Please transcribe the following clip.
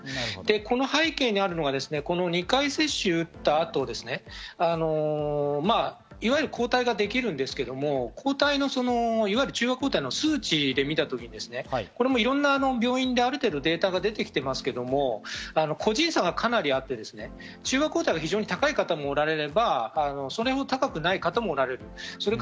この背景にあるのが２回打った後、いわゆる抗体ができるんですけど、中和抗体の数値で見たときにいろんな病院でデータが出てきていますけど、個人差がかなりあって、中和抗体が非常に高い方もおられれば、それ程高くない方もおられる。